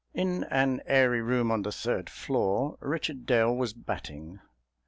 In an airy room on the third floor Richard Dale was batting.